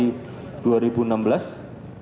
berita acara pemotretan rekonstruksi